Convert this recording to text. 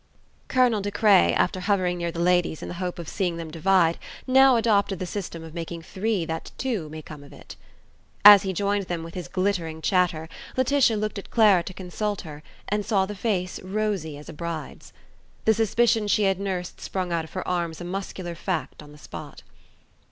Colonel De Craye, after hovering near the ladies in the hope of seeing them divide, now adopted the system of making three that two may come of it. As he joined them with his glittering chatter, Laetitia looked at Clara to consult her, and saw the face rosy as a bride's. The suspicion she had nursed sprung out of her arms a muscular fact on the spot.